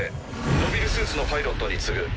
モビルスーツのパイロットに告ぐ。